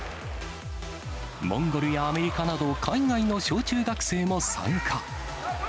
モンゴルやアメリカなど海外の小中学生も参加。